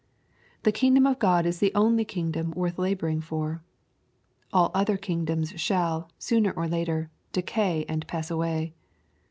The kingdom of God is the only kingdom worth la boring for. All other kingdoms shall, sooner or later, decay and pass away.